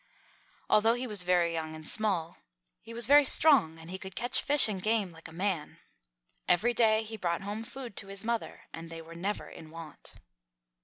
Although he was very young and small, he was very strong, and he could catch fish and game like a man. Every day he brought home food to his mother, and they were never in want.